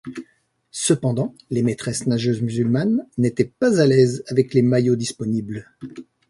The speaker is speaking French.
Cependant, les maitresses-nageuses musulmanes n'étaient pas à l'aise avec les maillots disponibles.